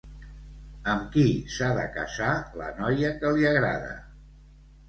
Amb qui s'ha de casar la noia que li agrada?